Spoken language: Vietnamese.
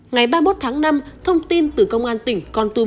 ngày ba mươi một năm thông tin từ công an tỉnh con tuyên